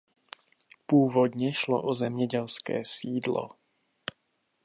Původně šlo o zemědělské sídlo.